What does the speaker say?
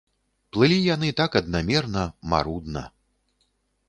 Плылі яны так аднамерна, марудна.